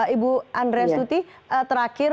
ibu andreas tuti terakhir